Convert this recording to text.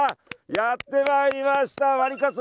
やってまいりましたワリカツ！